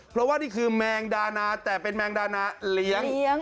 เพราะว่านี่คือแมงดานาแต่เป็นแมงดานาเลี้ยง